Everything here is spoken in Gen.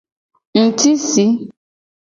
Ngtisi.